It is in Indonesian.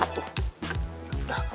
ya udah bismillah ya